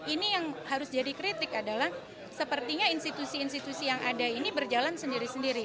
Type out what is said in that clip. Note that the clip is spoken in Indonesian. ini yang harus jadi kritik adalah sepertinya institusi institusi yang ada ini berjalan sendiri sendiri